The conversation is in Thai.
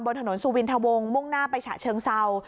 ถนนสุวินทวงมุ่งหน้าไปฉะเชิงเศร้า